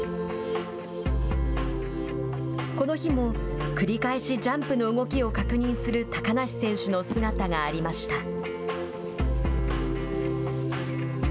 この日も、繰り返しジャンプの動きを確認する高梨選手の姿がありました。